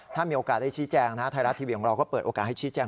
ถ้ามีโอกาสได้ชี้แจงนะไทยรัฐทีวีของเราก็เปิดโอกาสให้ชี้แจง